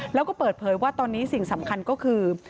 แล้วก็เปิดเผยว่าตอนนี้สิ่งสำคัญก็คือ